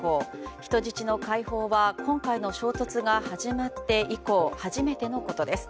人質の解放は今回の衝突が始まって以降初めてのことです。